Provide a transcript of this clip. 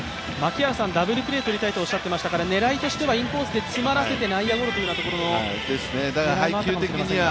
槙原さん、ダブルプレーとりたいとおっしゃっていましたから、狙いとしてはインコースで詰まらせて内野ゴロという狙いもあったかもしれませんが。